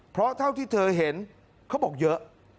เพราะเท่าที่เธอเห็นเขาบอกเยอะ